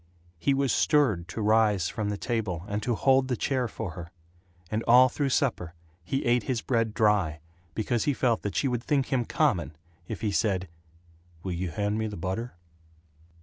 He was stirred to rise from the table and to hold the chair for her; and all through supper he ate his bread dry because he felt that she would think him common if he said "Will you hand me the butter?"